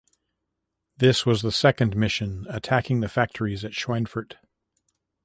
This was the second mission attacking the factories at Schweinfurt.